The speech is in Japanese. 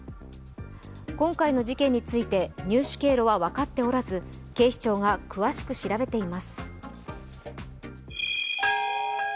今回の事件について、入手経路は分かっておらず、警視庁が詳しく調べています。